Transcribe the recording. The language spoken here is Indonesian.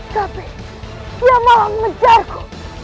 tapi dia malah mengejarku